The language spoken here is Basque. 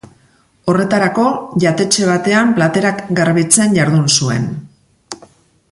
Horretarako, jatetxe batean platerak garbitzen jardun zuen.